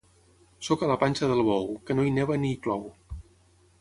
Sóc a la panxa del bou, que no hi neva ni hi plou